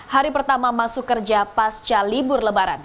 hari pertama masuk kerja pasca libur lebaran